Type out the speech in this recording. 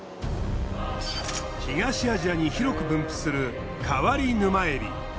東アジアに広く分布するカワリヌマエビ。